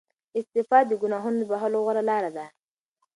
استغفار د ګناهونو د بخښلو غوره لاره ده.